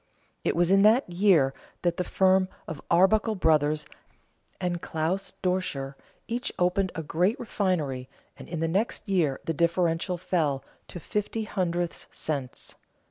It was in that year that the firm of Arbuckle Brothers and Claus Doscher each opened a great refinery, and in the next year the differential fell to fifty hundredths cents.